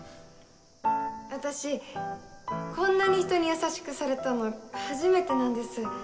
私こんなに人に優しくされたの初めてなんです。